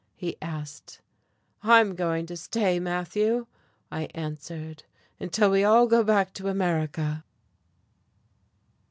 he asked. "I'm going to stay, Matthew," I answered, "until we all go back to America."....